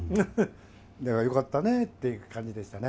だからよかったねって感じでしたね。